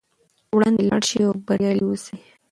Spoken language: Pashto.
وړاندې لاړ شئ او بریالي اوسئ.